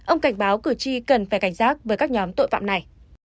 ông cảnh báo cử tri cần phải cảnh giác với các nhóm tội phạm này